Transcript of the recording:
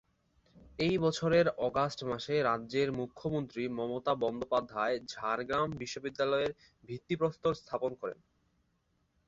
ওই বছরের অগাস্ট মাসে রাজ্যের মুখ্যমন্ত্রী মমতা বন্দ্যোপাধ্যায় ঝাড়গ্রাম বিশ্ববিদ্যালয়ের ভিত্তি প্রস্তর স্থাপন করেন।